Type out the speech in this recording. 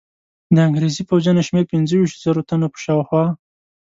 د انګرېزي پوځیانو شمېر پنځه ویشتو زرو تنو په شاوخوا.